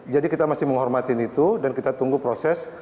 jadi kita masih menghormatin itu dan kita tunggu proses